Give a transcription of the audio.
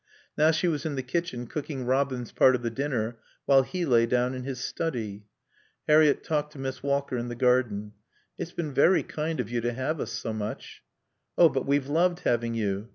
Now she was in the kitchen cooking Robin's part of the dinner while he lay down in his study. Harriett talked to Miss Walker in the garden. "It's been very kind of you to have us so much." "Oh, but we've loved having you.